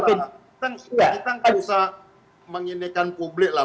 kita gak usah menginikan publik lah